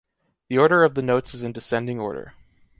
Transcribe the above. The order of the notes is in descending order.